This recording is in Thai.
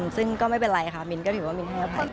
ซึ่งก็ไม่เป็นไรค่ะมินก็ถือว่ามินให้อภัย